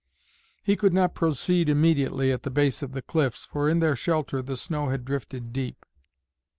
He could not proceed immediately at the base of the cliffs, for in their shelter the snow had drifted deep.